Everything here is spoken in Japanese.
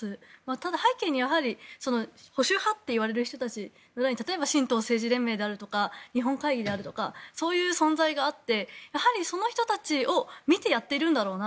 ただ、背景にやはり保守派といわれる人たちの裏に例えば神道政治連盟であるとか日本会議であるとかそういう存在があってその人たちを見てやっているんだろうな。